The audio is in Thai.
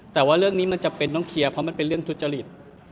แต่ว่าเรื่องนี้มันจำเป็นต้องเคลียร์เพราะมันเป็นเรื่องทุจริต